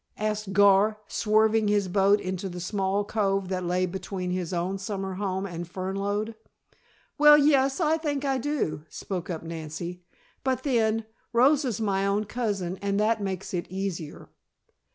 asked Gar, swerving his boat into the small cove that lay beside his own summer home and Fernlode. "Well, yes, I think I do," spoke up Nancy. "But then, Rosa's my own cousin and that makes it easier."